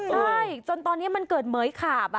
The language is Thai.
ใช่จนตอนนี้มันเกิดเหมือยขาบ